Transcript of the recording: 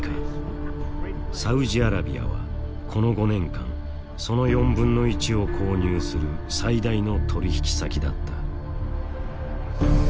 サウジアラビアはこの５年間その４分の１を購入する最大の取引先だった。